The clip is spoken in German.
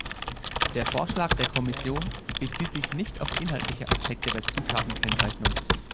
Der Vorschlag der Kommission bezieht sich nicht auf inhaltliche Aspekte der Zutatenkennzeichnung.